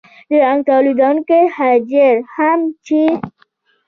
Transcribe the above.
د رنګ تولیدونکي حجرې هم چې